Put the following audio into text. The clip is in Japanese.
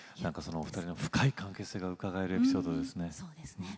お二人の深い関係性がうかがえるエピソードですね。